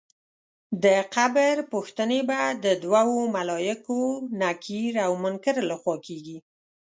د قبر پوښتنې به د دوو ملایکو نکیر او منکر له خوا کېږي.